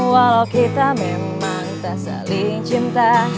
walau kita memang tak saling cinta